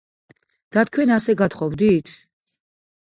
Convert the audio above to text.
და თქვენ ასე გათხოვდით?